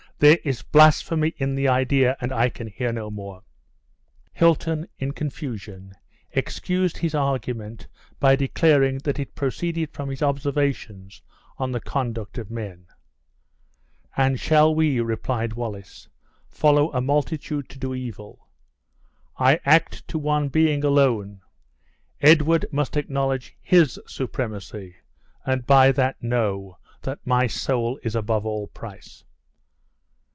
There is blasphemy in the idea, and I can hear no more." Hilton, in confusion, excused his argument by declaring that it proceeded from his observations on the conduct of men. "And shall we," replied Wallace, "follow a multitude to do evil? I act to one Being alone. Edward must acknowledge HIS supremacy, and by that know that my soul is above all price!"